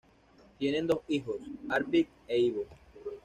Tienen dos hijos, Arvid e Ivo.